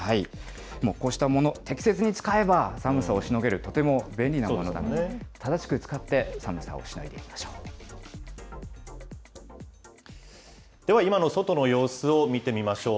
もうこうしたもの、使えば、寒さをしのげる、とても便利なものなので、正しく使ってでは、今の外の様子を見てみましょう。